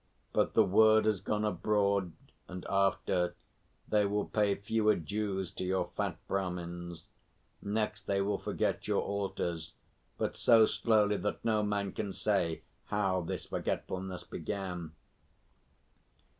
But the word has gone abroad, and, after, they will pay fewer dues to your fat Brahmins. Next they will forget your altars, but so slowly that no man can say how his forgetfulness began."